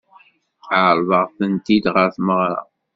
Ɛeṛḍeɣ-tent-id ɣer tmeɣṛa.